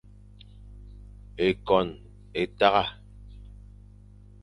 Ékôn é tagha.